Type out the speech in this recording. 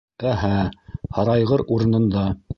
Әһә! һарайғыр урынында.